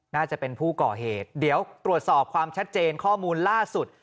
น่าจะเป็นผู้ก่อเหตุเดี๋ยวตรวจสอบความชัดเจนข้อมูลล่าสุด